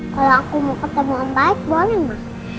kalo aku mau ketemu om baik boleh ma